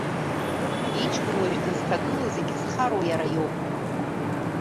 Иҷкәын уажәы дызҭагылоу зегьы зхароу иара иоуп.